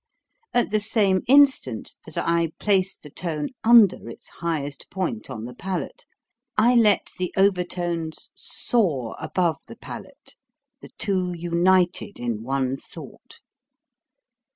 At the same instant that I place the tone under its highest point on the palate, I let the overtones soar above the palate the two united in one thought.